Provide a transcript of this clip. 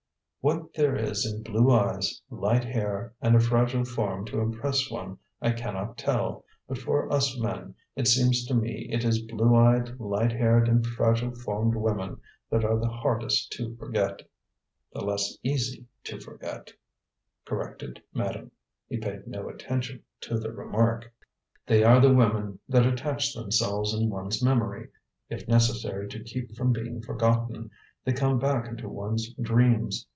"What there is in blue eyes, light hair, and a fragile form to impress one, I cannot tell; but for us men it seems to me it is blue eyed, light haired, and fragile formed women that are the hardest to forget." "The less easy to forget," corrected madam. He paid no attention to the remark. "They are the women that attach themselves in one's memory. If necessary to keep from being forgotten, they come back into one's dreams.